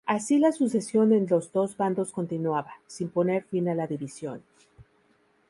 Así la sucesión en los dos bandos continuaba, sin poner fin a la división.